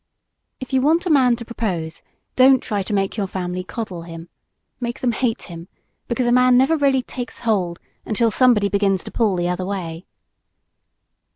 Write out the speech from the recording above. If you want a man to propose don't try to make your family coddle him. Make them hate him, because a man never really "takes hold" until somebody begins to pull the other way.